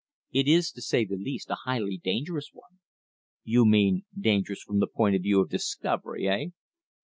"It is, to say the least, a highly dangerous one." "You mean dangerous from the point of view of discovery eh?"